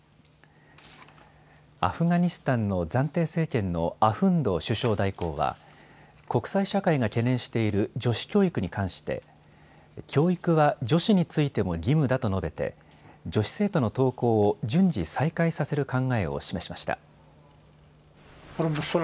アフガニスタンの暫定政権のアフンド首相代行は国際社会が懸念している女子教育に関して教育は女子についても義務だと述べて女子生徒の登校を順次再開させる考えを示しました。